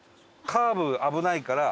カーブ危ないから。